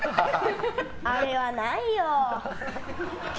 あれはないよ。